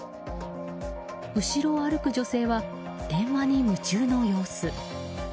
後ろを歩く女性は電話に夢中の様子。